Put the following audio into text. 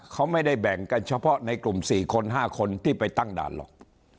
เขาไม่ได้แบ่งกันเฉพาะในกลุ่ม๔คน๕คนที่ไปตั้งด่านหรอก